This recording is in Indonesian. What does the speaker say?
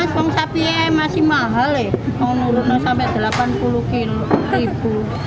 kalau sapinya masih mahal kalau turun sampai rp delapan puluh